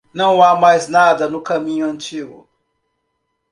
Não há mais nada no caminho antigo.